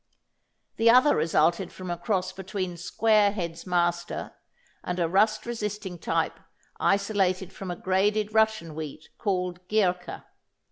The other resulted from a cross between Square Head's Master and a rust resisting type isolated from a graded Russian wheat called Ghirka.